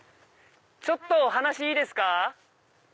ちょっとお話いいですか？